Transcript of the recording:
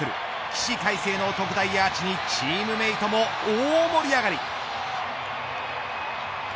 起死回生の特大アーチにチームメートも大盛り上がり。